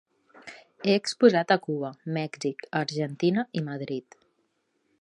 Ha exposat a Cuba, Mèxic, Argentina i Madrid.